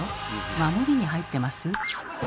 守りに入ってます？